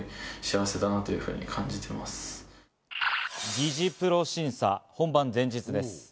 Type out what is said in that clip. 擬似プロ審査、本番前日です。